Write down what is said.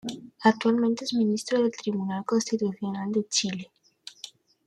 Actualmente es ministro del Tribunal Constitucional de Chile.